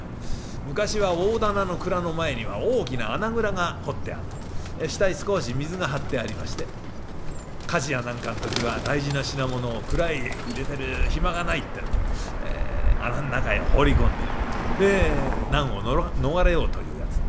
昔は大店の蔵の前には大きな穴蔵が掘ってあって下へ少し水が張ってありまして火事や何かの時は大事な品物を蔵へ入れてる暇がないってんで穴ん中へ放り込んでで難を逃れようというやつで。